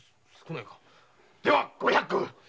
では五百石！